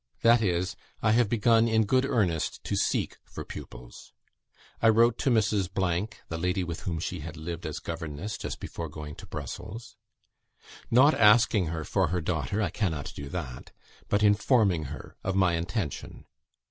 That is, I have begun in good earnest to seek for pupils. I wrote to Mrs. " (the lady with whom she had lived as governess, just before going to Brussels), "not asking her for her daughter I cannot do that but informing her of my intention.